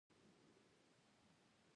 دلته هیڅ جرم نه بښل کېږي.